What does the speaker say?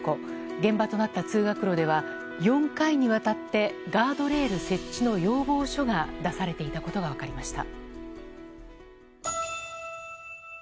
現場となった通学路では４回にわたってガードレール設置の要望書が出されていたことが分かりました。